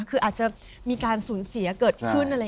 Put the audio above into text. คืออาจจะมีการสูญเสียเกิดขึ้นอะไร